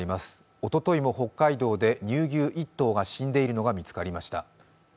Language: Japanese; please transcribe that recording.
おとといも北海道で乳牛１頭が死んでいるのが見つかりました。